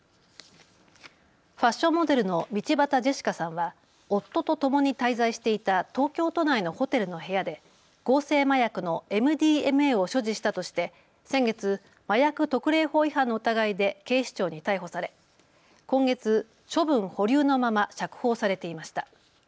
ファッションモデルの道端ジェシカさんは夫とともに滞在していた東京都内のホテルの部屋で合成麻薬のＭＤＭＡを所持したとして先月、麻薬特例法違反の疑いで警視庁に逮捕され今月、処分保留のまま釈放されていました。